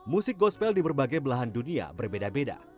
musik gospel di berbagai belahan dunia berbeda beda